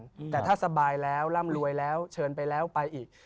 อืมแต่ถ้าสบายแล้วร่ำรวยแล้วเชิญไปแล้วไปอีก